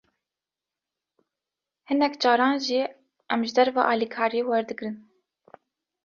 Hinek caran jî, em ji derve alîkarî werdigrin